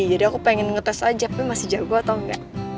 jadi aku pengen ngetes aja tapi masih jago atau enggak